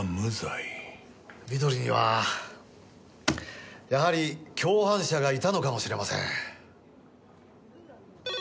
美登里にはやはり共犯者がいたのかもしれません。